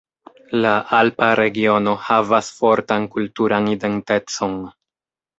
La Alpa regiono havas fortan kulturan identecon.